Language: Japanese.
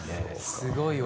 すごいわ。